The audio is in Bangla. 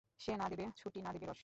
সে না দেবে ছুটি, না দেবে রস!